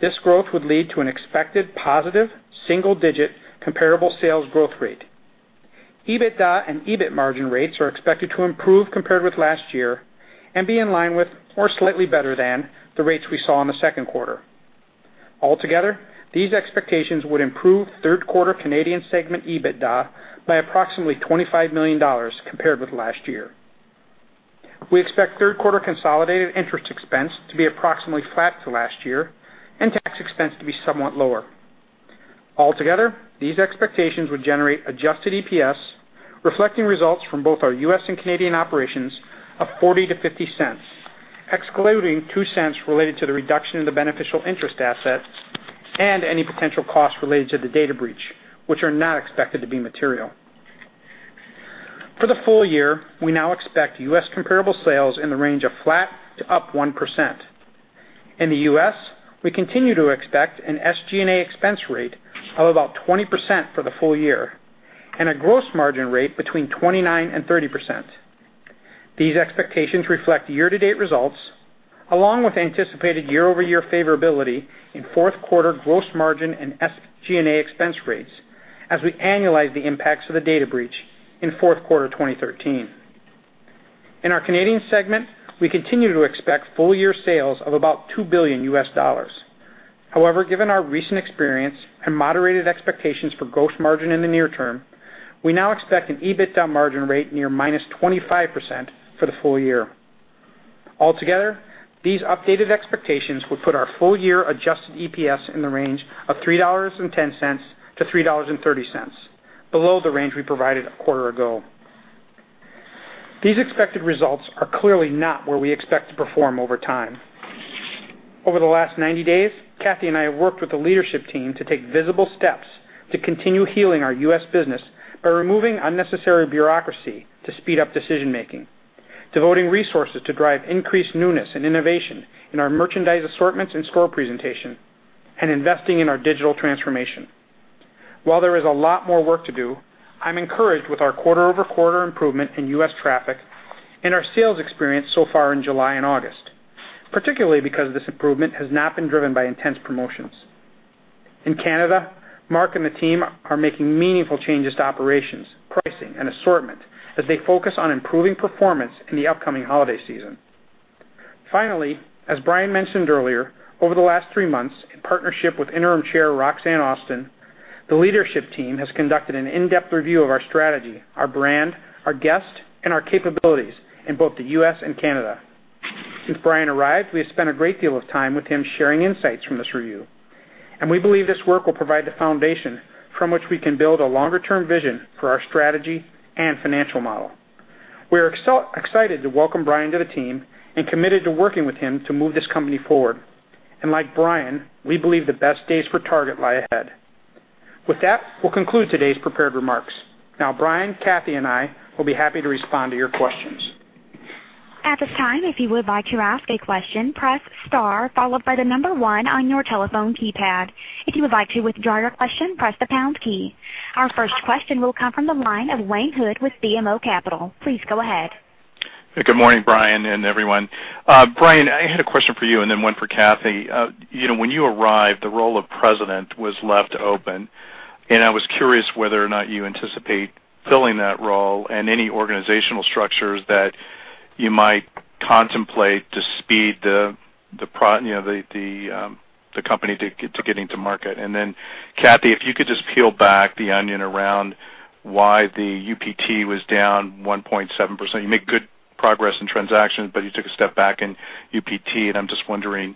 S1: This growth would lead to an expected positive single-digit comparable sales growth rate. EBITDA and EBIT margin rates are expected to improve compared with last year and be in line with, or slightly better than, the rates we saw in the second quarter. Altogether, these expectations would improve third-quarter Canadian segment EBITDA by approximately $25 million compared with last year. We expect third-quarter consolidated interest expense to be approximately flat to last year and tax expense to be somewhat lower. Altogether, these expectations would generate adjusted EPS, reflecting results from both our U.S. and Canadian operations, of $0.40 to $0.50, excluding $0.02 related to the reduction in the beneficial interest assets and any potential costs related to the data breach, which are not expected to be material. For the full year, we now expect U.S. comparable sales in the range of flat to up 1%. In the U.S., we continue to expect an SG&A expense rate of about 20% for the full year and a gross margin rate between 29% and 30%. These expectations reflect year-to-date results, along with anticipated year-over-year favorability in fourth quarter gross margin and SG&A expense rates, as we annualize the impacts of the data breach in fourth quarter 2013. In our Canadian segment, we continue to expect full-year sales of about $2 billion. However, given our recent experience and moderated expectations for gross margin in the near term, we now expect an EBITDA margin rate near -25% for the full year. Altogether, these updated expectations would put our full-year adjusted EPS in the range of $3.10 to $3.30, below the range we provided a quarter ago. These expected results are clearly not where we expect to perform over time. Over the last 90 days, Cathy and I have worked with the leadership team to take visible steps to continue healing our U.S. business by removing unnecessary bureaucracy to speed up decision-making, devoting resources to drive increased newness and innovation in our merchandise assortments and store presentation, and investing in our digital transformation. While there is a lot more work to do, I'm encouraged with our quarter-over-quarter improvement in U.S. traffic and our sales experience so far in July and August, particularly because this improvement has not been driven by intense promotions. In Canada, Mark and the team are making meaningful changes to operations, pricing, and assortment as they focus on improving performance in the upcoming holiday season. Finally, as Brian mentioned earlier, over the last three months, in partnership with Interim Chair Roxanne Austin, the leadership team has conducted an in-depth review of our strategy, our brand, our guests, and our capabilities in both the U.S. and Canada. Since Brian arrived, we have spent a great deal of time with him sharing insights from this review, and we believe this work will provide the foundation from which we can build a longer-term vision for our strategy and financial model. We are excited to welcome Brian to the team and committed to working with him to move this company forward. Like Brian, we believe the best days for Target lie ahead. With that, we'll conclude today's prepared remarks. Now, Brian, Cathy, and I will be happy to respond to your questions.
S4: At this time, if you would like to ask a question, press star followed by the number one on your telephone keypad. If you would like to withdraw your question, press the pound key. Our first question will come from the line of Wayne Hood with BMO Capital. Please go ahead.
S5: Good morning, Brian and everyone. Brian, I had a question for you. Then one for Cathy. When you arrived, the role of president was left open, and I was curious whether or not you anticipate filling that role and any organizational structures that you might contemplate to speed the company to getting to market. Then, Cathy, if you could just peel back the onion around why the UPT was down 1.7%. You made good progress in transactions, but you took a step back in UPT, and I'm just wondering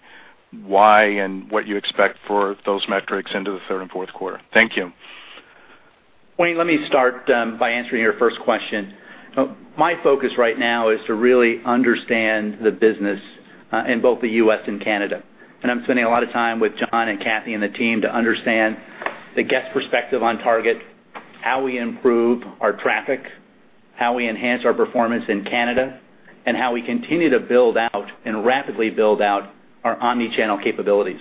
S5: why and what you expect for those metrics into the third and fourth quarter. Thank you.
S2: Wayne, let me start by answering your first question. My focus right now is to really understand the business in both the U.S. and Canada. I'm spending a lot of time with John and Cathy and the team to understand the guest perspective on Target, how we improve our traffic, how we enhance our performance in Canada, and how we continue to build out, and rapidly build out, our omnichannel capabilities.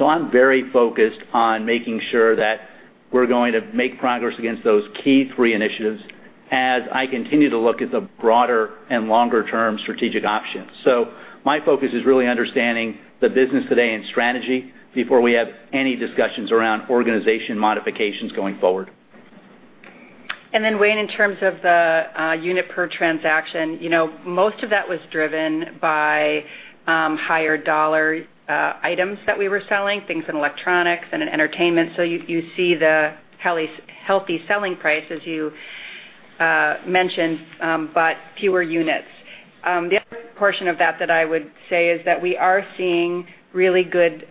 S2: I'm very focused on making sure that we're going to make progress against those key three initiatives as I continue to look at the broader and longer-term strategic options. My focus is really understanding the business today and strategy before we have any discussions around organization modifications going forward.
S3: Wayne, in terms of the unit per transaction, most of that was driven by higher $ items that we were selling, things in electronics and in entertainment. You see the healthy selling price, as you mentioned, but fewer units. The other portion of that I would say, is that we are seeing really good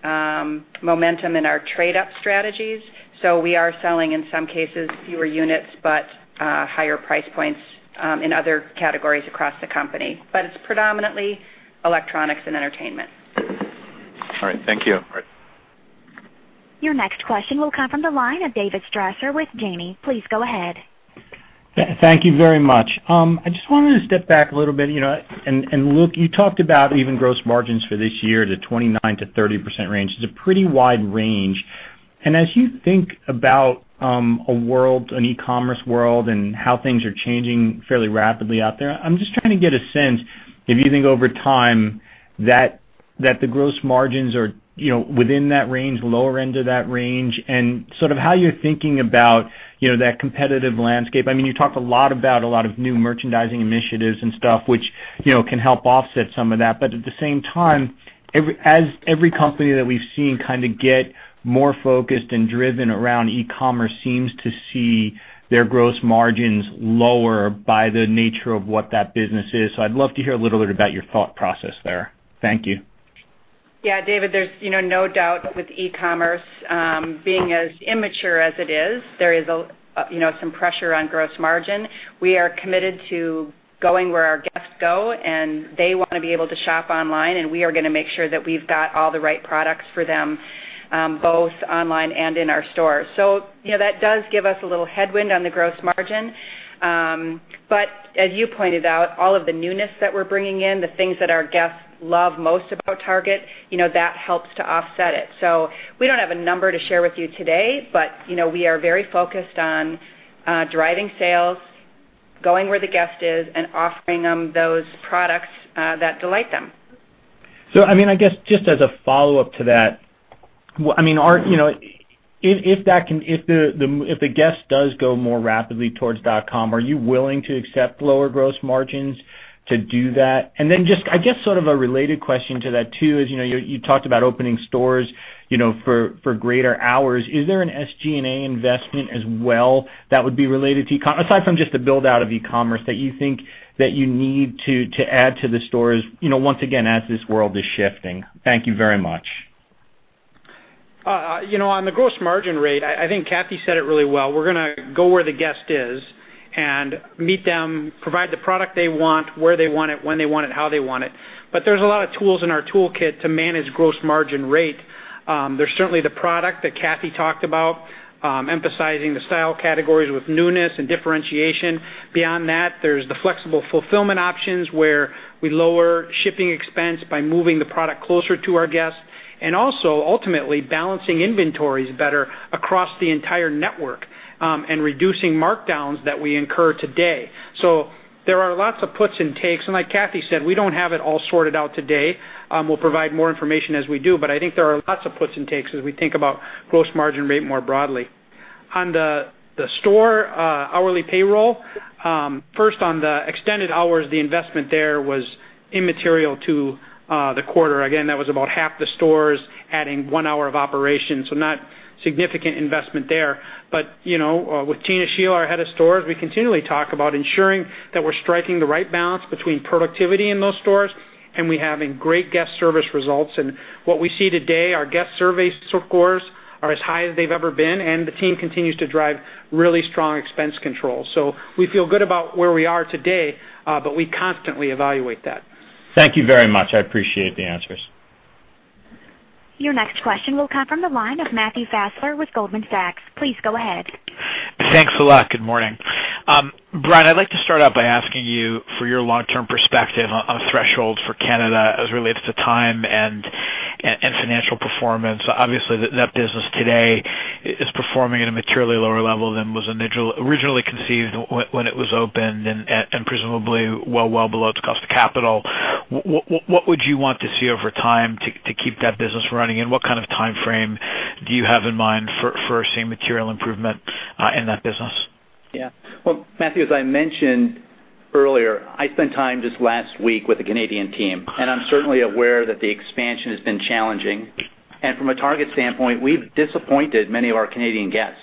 S3: momentum in our trade-up strategies. We are selling, in some cases, fewer units, but higher price points in other categories across the company. It's predominantly electronics and entertainment.
S5: All right. Thank you.
S4: Your next question will come from the line of David Strasser with Janney. Please go ahead.
S6: Thank you very much. I just wanted to step back a little bit. Look, you talked about even gross margins for this year at a 29%-30% range. It's a pretty wide range. As you think about an e-commerce world and how things are changing fairly rapidly out there, I'm just trying to get a sense if you think over time that the gross margins are within that range, lower end of that range, and sort of how you're thinking about that competitive landscape. You talk a lot about a lot of new merchandising initiatives and stuff, which can help offset some of that. At the same time, as every company that we've seen kind of get more focused and driven around e-commerce seems to see their gross margins lower by the nature of what that business is. I'd love to hear a little bit about your thought process there. Thank you.
S3: Yeah, David, there's no doubt with e-commerce, being as immature as it is, there is some pressure on gross margin. We are committed to going where our guests go, and they want to be able to shop online, and we are going to make sure that we've got all the right products for them, both online and in our stores. That does give us a little headwind on the gross margin. As you pointed out, all of the newness that we're bringing in, the things that our guests love most about Target, that helps to offset it. We don't have a number to share with you today, but we are very focused on driving sales, going where the guest is, and offering them those products that delight them.
S6: I guess, just as a follow-up to that, if the guest does go more rapidly towards .com, are you willing to accept lower gross margins to do that? I guess sort of a related question to that too is, you talked about opening stores for greater hours. Is there an SG&A investment as well that would be related to Aside from just the build-out of e-commerce that you think that you need to add to the stores, once again, as this world is shifting? Thank you very much.
S1: On the gross margin rate, I think Cathy said it really well. We're going to go where the guest is and meet them, provide the product they want, where they want it, when they want it, how they want it. There's a lot of tools in our toolkit to manage gross margin rate. There's certainly the product that Cathy talked about, emphasizing the style categories with newness and differentiation. Beyond that, there's the flexible fulfillment options, where we lower shipping expense by moving the product closer to our guests. Ultimately, balancing inventories better across the entire network, and reducing markdowns that we incur today. There are lots of puts and takes. Like Cathy said, we don't have it all sorted out today. We'll provide more information as we do. I think there are lots of puts and takes as we think about gross margin rate more broadly. On the store hourly payroll, first on the extended hours, the investment there was immaterial to the quarter. Again, that was about half the stores adding one hour of operation. Not significant investment there. With Tina Schiel, our head of stores, we continually talk about ensuring that we're striking the right balance between productivity in those stores, and we having great guest service results. What we see today, our guest survey scores are as high as they've ever been, and the team continues to drive really strong expense control. We feel good about where we are today, but we constantly evaluate that.
S6: Thank you very much. I appreciate the answers.
S4: Your next question will come from the line of Matthew Fassler with Goldman Sachs. Please go ahead.
S7: Thanks a lot. Good morning. Brian, I'd like to start out by asking you for your long-term perspective on threshold for Canada as it relates to time and financial performance. Obviously, that business today is performing at a materially lower level than was originally conceived when it was opened, and presumably well below its cost of capital. What would you want to see over time to keep that business running? What kind of timeframe do you have in mind for seeing material improvement in that business?
S2: Well, Matthew, as I mentioned earlier, I spent time just last week with the Canadian team, I'm certainly aware that the expansion has been challenging. From a Target standpoint, we've disappointed many of our Canadian guests.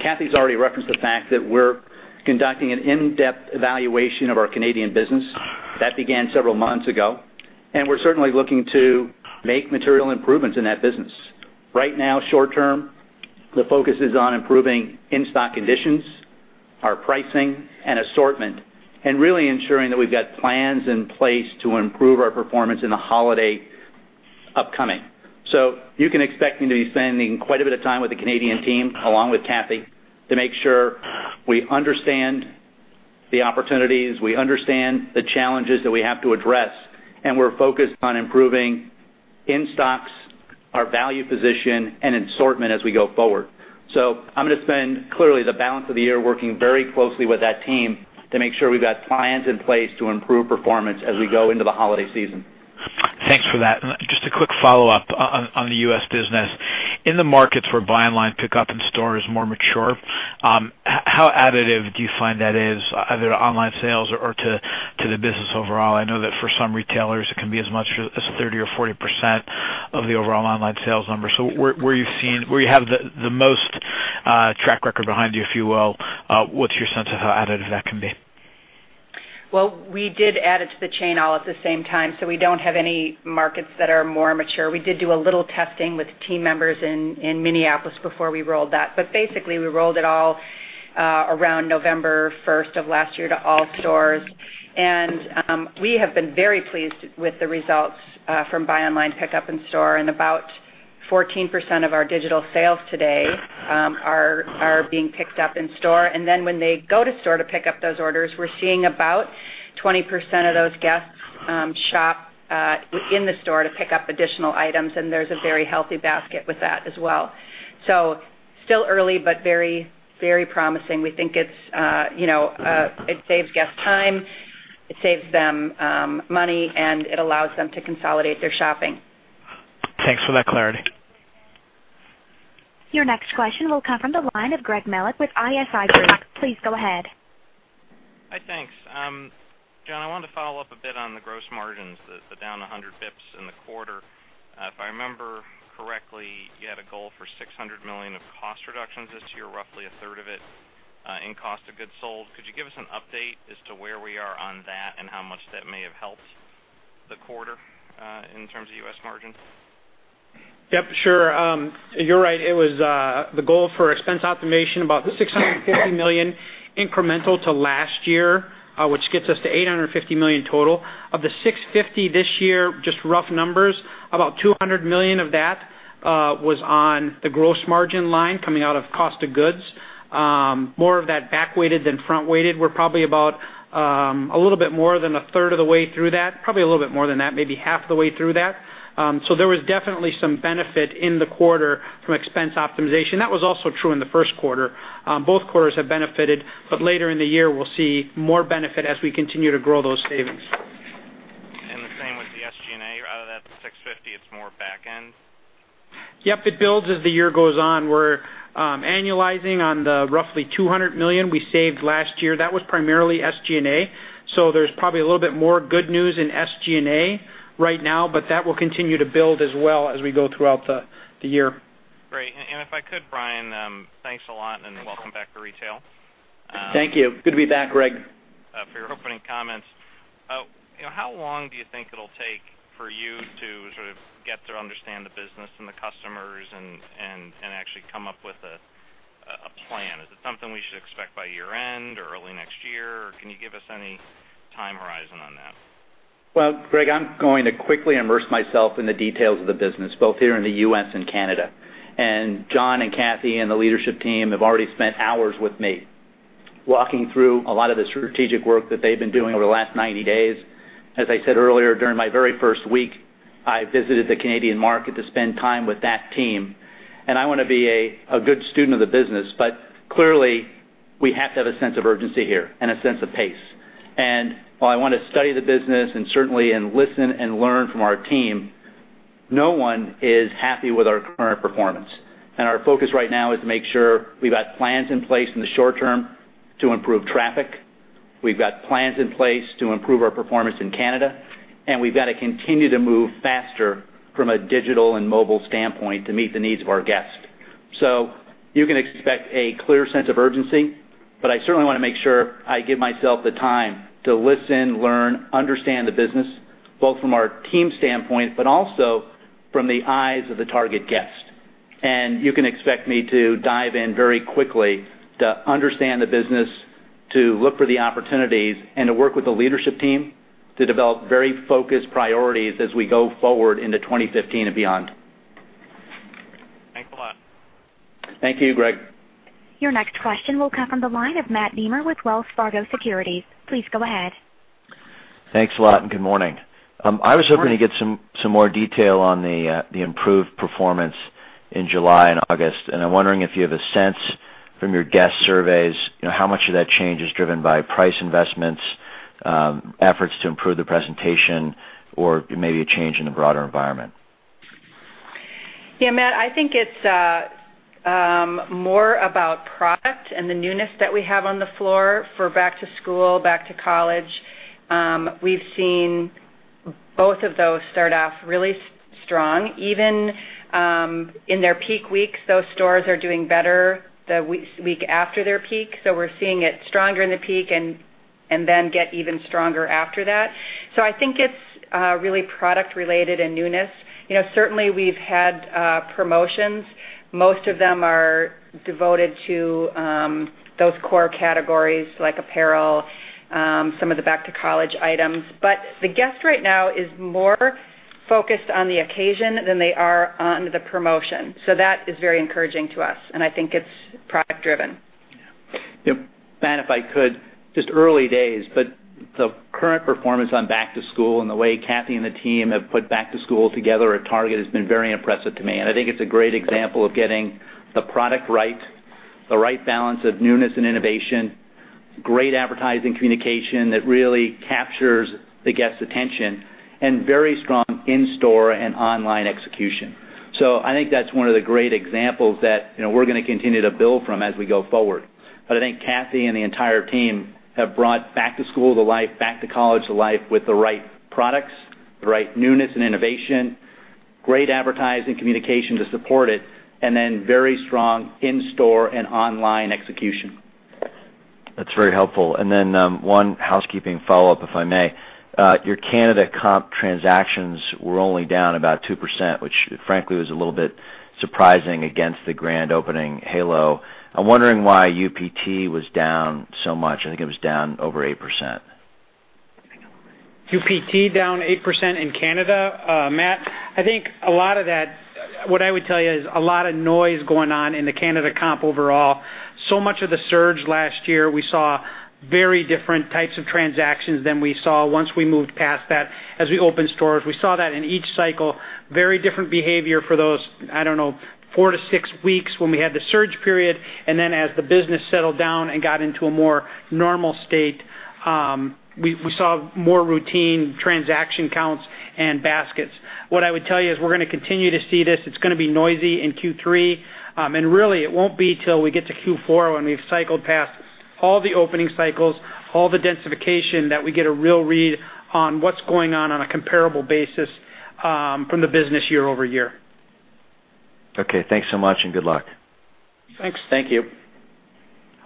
S2: Cathy's already referenced the fact that we're conducting an in-depth evaluation of our Canadian business. That began several months ago. We're certainly looking to make material improvements in that business. Right now, short-term, the focus is on improving in-stock conditions, our pricing, and assortment, and really ensuring that we've got plans in place to improve our performance in the holiday upcoming. You can expect me to be spending quite a bit of time with the Canadian team, along with Cathy, to make sure we understand The opportunities, we understand the challenges that we have to address, we're focused on improving in-stocks, our value position and assortment as we go forward. I'm going to spend clearly the balance of the year working very closely with that team to make sure we've got plans in place to improve performance as we go into the holiday season.
S7: Thanks for that. Just a quick follow-up on the U.S. business. In the markets where buy online, pickup in-store is more mature, how additive do you find that is either to online sales or to the business overall? I know that for some retailers, it can be as much as 30% or 40% of the overall online sales numbers. Where you have the most track record behind you, if you will, what's your sense of how additive that can be?
S3: Well, we did add it to the chain all at the same time, we don't have any markets that are more mature. We did do a little testing with team members in Minneapolis before we rolled that. Basically, we rolled it all around November 1st of last year to all stores. We have been very pleased with the results from buy online, pickup in-store. About 14% of our digital sales today are being picked up in-store. Then when they go to store to pick up those orders, we're seeing about 20% of those guests shop in the store to pick up additional items, and there's a very healthy basket with that as well. Still early, but very promising. We think it saves guests time, it saves them money, and it allows them to consolidate their shopping.
S7: Thanks for that clarity.
S4: Your next question will come from the line of Gregory Melich with ISI Group. Please go ahead.
S8: Hi. Thanks. John, I wanted to follow up a bit on the gross margins, the down 100 basis points in the quarter. If I remember correctly, you had a goal for $600 million of cost reductions this year, roughly a third of it in cost of goods sold. Could you give us an update as to where we are on that and how much that may have helped the quarter in terms of U.S. margin?
S1: Yep, sure. You're right. It was the goal for expense optimization, about $650 million incremental to last year, which gets us to $850 million total. Of the $650 this year, just rough numbers, about $200 million of that was on the gross margin line coming out of cost of goods. More of that back-weighted than front-weighted. We're probably about a little bit more than a third of the way through that, probably a little bit more than that, maybe half the way through that. There was definitely some benefit in the quarter from expense optimization. That was also true in the first quarter. Both quarters have benefited, but later in the year, we'll see more benefit as we continue to grow those savings.
S8: The same with the SG&A, out of that $650, it's more back end?
S1: Yep. It builds as the year goes on. We're annualizing on the roughly $200 million we saved last year. That was primarily SG&A. There's probably a little bit more good news in SG&A right now, but that will continue to build as well as we go throughout the year.
S8: Great. If I could, Brian, thanks a lot and welcome back to retail.
S2: Thank you. Good to be back, Greg.
S8: For your opening comments, how long do you think it'll take for you to sort of get to understand the business and the customers and actually come up with a plan? Is it something we should expect by year-end or early next year, or can you give us any time horizon on that?
S2: Well, Greg, I'm going to quickly immerse myself in the details of the business, both here in the U.S. and Canada. John and Kathee and the leadership team have already spent hours with me walking through a lot of the strategic work that they've been doing over the last 90 days. As I said earlier, during my very first week, I visited the Canadian market to spend time with that team. I want to be a good student of the business. Clearly, we have to have a sense of urgency here and a sense of pace. While I want to study the business and certainly, listen and learn from our team, no one is happy with our current performance. Our focus right now is to make sure we've got plans in place in the short term to improve traffic. We've got plans in place to improve our performance in Canada. We've got to continue to move faster from a digital and mobile standpoint to meet the needs of our guests. You can expect a clear sense of urgency, but I certainly want to make sure I give myself the time to listen, learn, understand the business, both from our team standpoint, but also from the eyes of the Target guest. You can expect me to dive in very quickly to understand the business, to look for the opportunities, and to work with the leadership team to develop very focused priorities as we go forward into 2015 and beyond.
S8: Thanks a lot.
S2: Thank you, Greg.
S4: Your next question will come from the line of Matt Nemer with Wells Fargo Securities. Please go ahead.
S9: Thanks a lot. Good morning. I was hoping to get some more detail on the improved performance in July and August. I'm wondering if you have a sense from your guest surveys, how much of that change is driven by price investments, efforts to improve the presentation, or maybe a change in the broader environment?
S3: Matt, I think it's more about product and the newness that we have on the floor for back to school, back to college. We've seen both of those start off really strong. Even in their peak weeks, those stores are doing better the week after their peak. We're seeing it stronger in the peak and then get even stronger after that. I think it's really product-related and newness. Certainly, we've had promotions. Most of them are devoted to those core categories like apparel, some of the back-to-college items. The guest right now is more focused on the occasion than they are on the promotion. That is very encouraging to us. I think it's product driven.
S2: Yeah. Matt, if I could, just early days, but the current performance on Back to School and the way Kathee and the team have put Back to School together at Target has been very impressive to me, and I think it's a great example of getting the product right, the right balance of newness and innovation, great advertising communication that really captures the guest's attention, and very strong in-store and online execution. I think that's one of the great examples that we're going to continue to build from as we go forward. I think Cathy and the entire team have brought Back to School to life, Back to College to life with the right products, the right newness and innovation, great advertising communication to support it, and then very strong in-store and online execution.
S9: That's very helpful. One housekeeping follow-up, if I may. Your Canada comp transactions were only down about 2%, which frankly, was a little bit surprising against the grand opening halo. I'm wondering why UPT was down so much. I think it was down over 8%.
S1: UPT down 8% in Canada. Matt, I think a lot of that, what I would tell you is a lot of noise going on in the Canada comp overall. Much of the surge last year, we saw very different types of transactions than we saw once we moved past that. As we opened stores, we saw that in each cycle, very different behavior for those, I don't know, four to six weeks when we had the surge period, and then as the business settled down and got into a more normal state, we saw more routine transaction counts and baskets. What I would tell you is we're going to continue to see this. It's going to be noisy in Q3. Really, it won't be till we get to Q4 when we've cycled past all the opening cycles, all the densification, that we get a real read on what's going on on a comparable basis from the business year-over-year.
S9: Okay. Thanks so much. Good luck.
S1: Thanks. Thank you.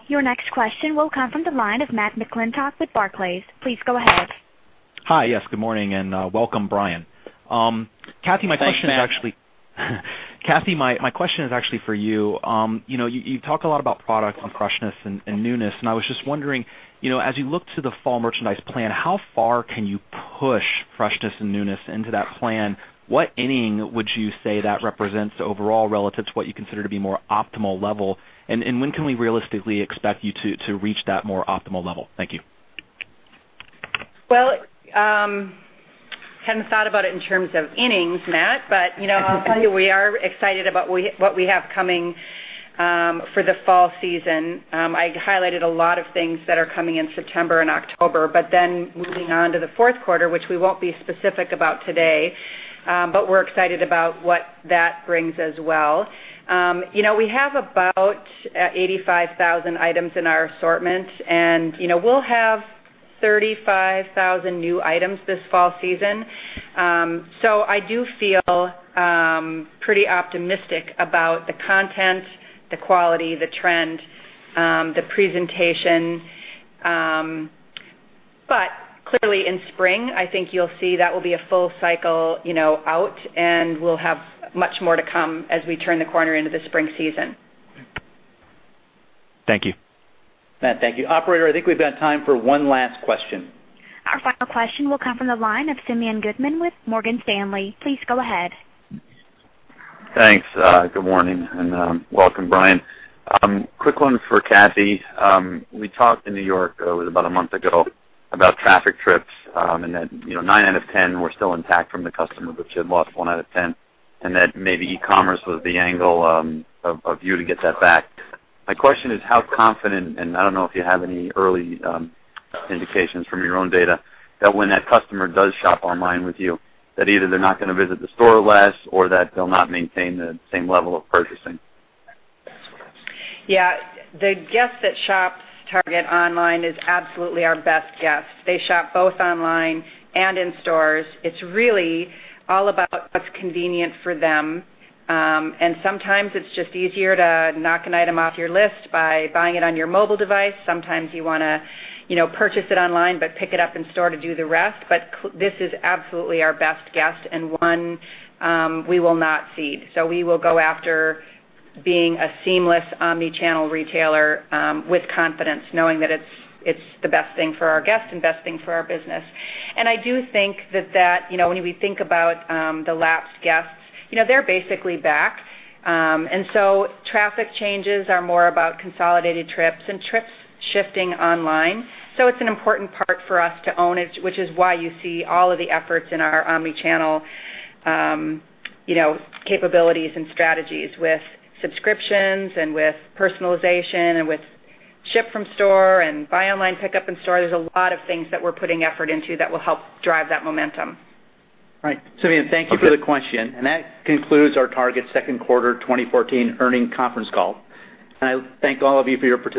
S4: Your next question will come from the line of Matt McClintock with Barclays. Please go ahead.
S10: Hi. Yes, good morning. Welcome, Brian.
S2: Thanks, Matt.
S10: Cathy, my question is actually for you. You talk a lot about product on freshness and newness. I was just wondering, as you look to the fall merchandise plan, how far can you push freshness and newness into that plan? What inning would you say that represents overall relative to what you consider to be more optimal level? When can we realistically expect you to reach that more optimal level? Thank you.
S3: Well, hadn't thought about it in terms of innings, Matt, we are excited about what we have coming for the fall season. I highlighted a lot of things that are coming in September and October. Moving on to the fourth quarter, which we won't be specific about today, we're excited about what that brings as well. We have about 85,000 items in our assortment, and we'll have 35,000 new items this fall season. I do feel pretty optimistic about the content, the quality, the trend, the presentation. Clearly in spring, I think you'll see that will be a full cycle out, and we'll have much more to come as we turn the corner into the spring season.
S10: Thank you.
S1: Matt, thank you. Operator, I think we've got time for one last question.
S4: Our final question will come from the line of Simeon Gutman with Morgan Stanley. Please go ahead.
S11: Thanks. Good morning, and welcome, Brian. Quick one for Cathy. We talked in New York, it was about a month ago, about traffic trips, and that 9 out of 10 were still intact from the customer, but you had lost 1 out of 10, and that maybe e-commerce was the angle of you to get that back. My question is how confident, and I don't know if you have any early indications from your own data, that when that customer does shop online with you, that either they're not going to visit the store less, or that they'll not maintain the same level of purchasing?
S3: Yeah. The guest that shops Target online is absolutely our best guest. They shop both online and in stores. It's really all about what's convenient for them. Sometimes it's just easier to knock an item off your list by buying it on your mobile device. Sometimes you want to purchase it online, but pick it up in-store to do the rest. This is absolutely our best guest, and one we will not cede. We will go after being a seamless omnichannel retailer with confidence, knowing that it's the best thing for our guests and best thing for our business. I do think that when we think about the lapsed guests, they're basically back. So traffic changes are more about consolidated trips and trips shifting online. It's an important part for us to own, which is why you see all of the efforts in our omnichannel capabilities and strategies with subscriptions and with personalization and with ship-from-store and buy online, pickup in-store. There's a lot of things that we're putting effort into that will help drive that momentum.
S1: Right. Simeon, thank you for the question. That concludes our Target second quarter 2014 earnings conference call. I thank all of you for your presence.